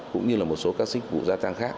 cũng như là một số các xích vụ gia tăng khác